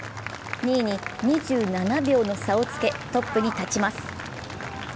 ２位に２７秒の差をつけトップに立ちます。